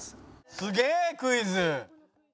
すげえクイズ。